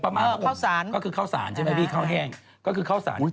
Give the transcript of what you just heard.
เขาบอกว่าเอ่งิตัดของเบาสงครามออก